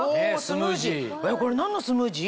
これ何のスムージー？